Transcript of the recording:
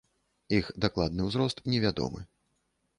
Іх дакладны ўзрост невядомы.